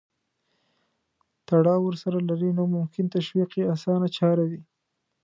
تړاو ورسره لري نو ممکن تشویق یې اسانه چاره وي.